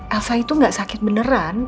alfa itu gak sakit beneran